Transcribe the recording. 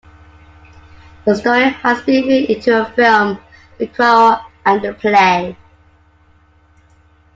The story has been made into a film, "The Quarrel" and a play.